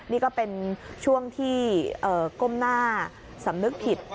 นี่ก็เป็นช่วงที่ก้มหน้าสำนึกผิด